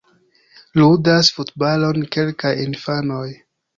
Ludas futbalon kelkaj infanoj.